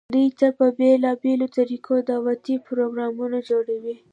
دوي ته په بيلابيلو طريقودعوتي پروګرامونه جوړووي،